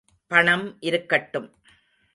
பணம் இருக்கட்டும்.